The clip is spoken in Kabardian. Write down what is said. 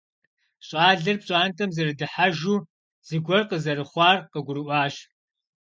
Щӏалэр пщӏантӏэм зэрыдыхьэжу, зыгуэр къызэрыхъуар къыгурыӏуащ.